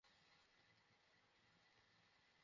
পড়ে মতামত জানাবে।